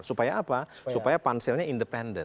supaya apa supaya panselnya independen